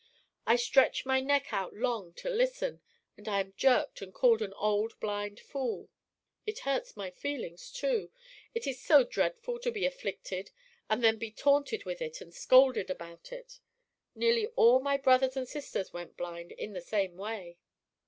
I stretch my neck out long to listen, and I am jerked and called an old blind fool! "It hurts my feelings, too; it is so dreadful to be afflicted and then be taunted with it and scolded about it. Nearly all my brothers and sisters went blind in the same way."